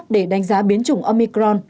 để đánh giá biến chủng omicron